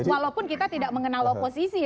walaupun kita tidak mengenal oposisi